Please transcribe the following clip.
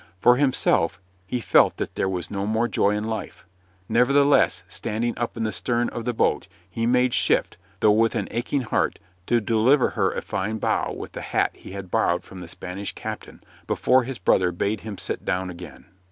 For himself, he felt that there was no more joy in life; nevertheless, standing up in the stern of the boat, he made shift, though with an aching heart, to deliver her a fine bow with the hat he had borrowed from the Spanish captain, before his brother bade him sit down again.